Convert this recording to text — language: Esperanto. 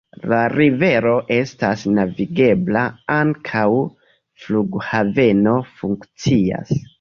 La rivero estas navigebla, ankaŭ flughaveno funkcias.